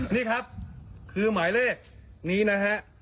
นี่ครับคือหมายเลขนี้นะฮะ